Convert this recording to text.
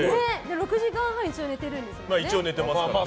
６時間半一応、寝てるんですね。